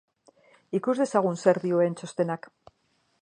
Ikus dezagun zer dioen txostenak.